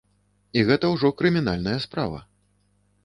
І гэта ўжо крымінальная справа.